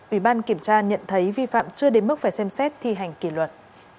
ủy ban kiểm tra nhận thấy vi phạm chưa đến mức phải xem xét thi hành kỷ luật